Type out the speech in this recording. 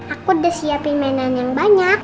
aku udah siapin mainan yang banyak